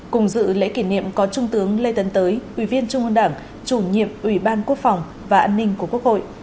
cùng dự lễ kỷ niệm có trung tướng lê tấn tới ủy viên trung ương đảng chủ nhiệm ủy ban quốc phòng và an ninh của quốc hội